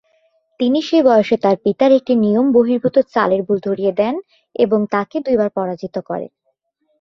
তিনি সেই বয়সে তার পিতার একটি নিয়ম বহির্ভূত চালের ভুল ধরিয়ে দেন এবং তাকে দুইবার পরাজিত করেন।